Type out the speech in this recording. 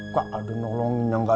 ga ada nolonginnya